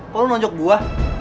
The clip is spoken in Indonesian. kok lu nonjok buah